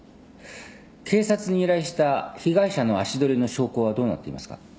警察に依頼した被害者の足取りの証拠はどうなっていますか。